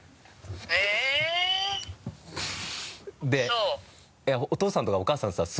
でお父さんとかお母さんさ